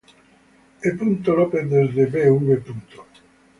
E. López desde Bv.